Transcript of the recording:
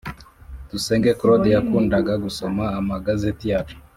Dusenge cloude yakundaga gusoma amagazeti yacu